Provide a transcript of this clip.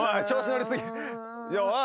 おい。